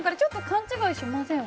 勘違いしません？